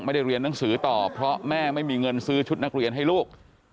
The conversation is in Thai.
เรียนหนังสือต่อเพราะแม่ไม่มีเงินซื้อชุดนักเรียนให้ลูก